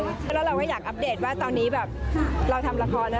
แล้วเราก็อยากอัปเดตว่าตอนนี้แบบเราทำละครนะ